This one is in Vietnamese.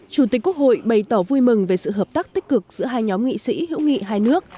chủ tịch quốc hội bày tỏ vui mừng về sự hợp tác tích cực giữa hai nhóm nghị sĩ hữu nghị hai nước